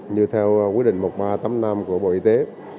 như theo quy định một nghìn ba trăm tám mươi năm của bộ y tế